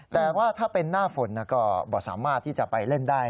แต่ว่าถ้าเป็นหน้าฝนก็สามารถที่จะไปเล่นได้